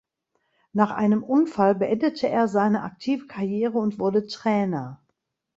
Nach einem Unfall beendete er seine aktive Karriere und wurde Trainer.